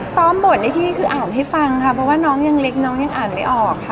บทในที่นี่คืออ่านให้ฟังค่ะเพราะว่าน้องยังเล็กน้องยังอ่านไม่ออกค่ะ